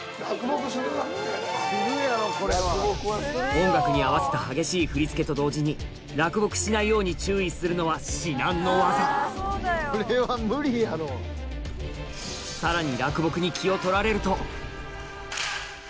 音楽に合わせた激しい振り付けと同時に落墨しないように注意するのは至難の業さらに